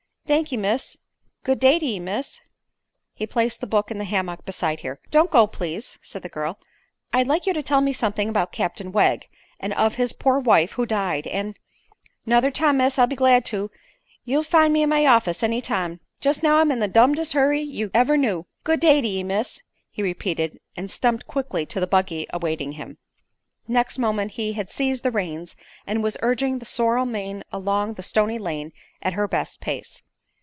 Thank 'e, miss. Good day to ye, miss." He placed the book in the hammock beside her. "Don't go, please." said the girl. "I'd like you to tell me something about Captain Wegg, and of his poor wife who died, and " "Nuther time, miss, I'll be glad to. Ye'll find me in my orfice, any time. Jest now I'm in the dumdest hurry ye ever knew. Good day to ye, miss," he repeated, and stumped quickly to the buggy awaiting him. Next moment he had seized the reins and was urging the sorrel mare along the stony lane at her best pace.